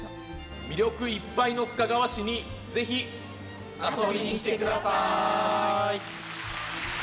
魅力いっぱいの須賀川市にぜひ、遊びに来てください。